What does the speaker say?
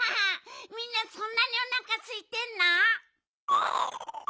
みんなそんなにおなかすいてんの？